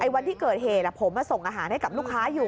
วันที่เกิดเหตุผมส่งอาหารให้กับลูกค้าอยู่